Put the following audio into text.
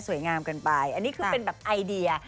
งามกันไปอันนี้คือเป็นแบบไอเดีย